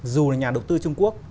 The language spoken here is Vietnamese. dù là nhà đầu tư trung quốc